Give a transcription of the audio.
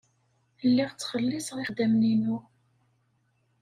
Lliɣ ttxelliṣeɣ ixeddamen-inu.